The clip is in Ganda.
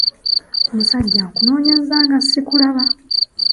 Musajja nkunoonyezza nga sikulaba.